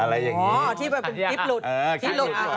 อะไรอย่างนี้ที่เป็นคลิปหลุด